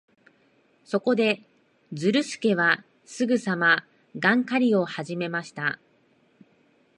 そこで、ズルスケはすぐさまガン狩りをはじめました。